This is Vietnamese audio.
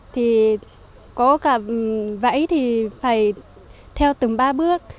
thì có cả vẫy thì phải theo từng ba bước